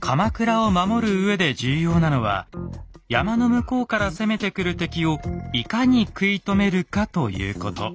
鎌倉を守るうえで重要なのは山の向こうから攻めてくる敵をいかに食い止めるかということ。